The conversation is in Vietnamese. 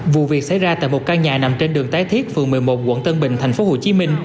vụ việc xảy ra tại một căn nhà nằm trên đường tái thiết phường một mươi một quận tân bình tp hcm